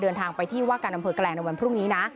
เดินทางไปที่ว่ากาลดำเผอกแกะแหลงดังวันพรุ่งนี้นะ